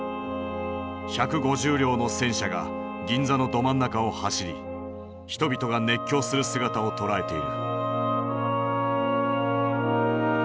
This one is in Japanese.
１５０両の戦車が銀座のど真ん中を走り人々が熱狂する姿を捉えている。